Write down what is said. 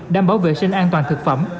đảm bảo vệ sinh an toàn thực phẩm